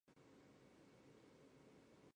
风龙是日本将棋的棋子之一。